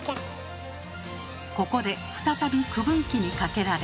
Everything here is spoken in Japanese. ここで再び区分機にかけられ。